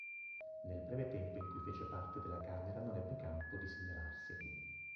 Nel breve tempo in cui fece parte della Camera non ebbe campo di segnalarsi.